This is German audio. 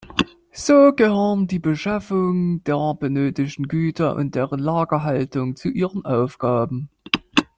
So gehören die Beschaffung der benötigten Güter und deren Lagerhaltung zu ihren Aufgaben.